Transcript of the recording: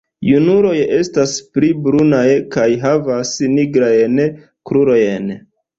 Junuloj estas pli brunaj kaj havas nigrajn krurojn.